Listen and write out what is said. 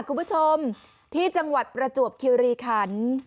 คุณผู้ชมที่จังหวัดประจวบคิวรีคัน